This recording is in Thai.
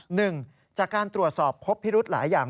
หนึ่งจากการตรวจสอบพบพิรุธหลายอย่าง